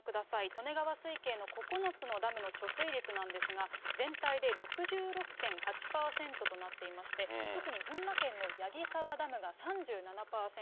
利根川水系の９つのダムの貯水率なんですが、全体で６６．８％となっていまして、特に群馬県の矢木沢ダムが３７％。